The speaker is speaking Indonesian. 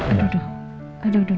aduh aduh aduh